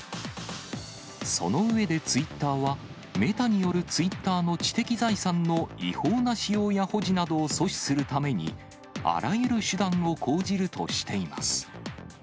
その上でツイッターは、メタによるツイッターの知的財産の違法な使用や保持などを阻止するために、あらゆる手段を講じるとしています。